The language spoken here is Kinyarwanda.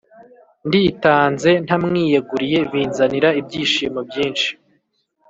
Nditanze ntamwiyeguriye binzanira ibyishimo byinshi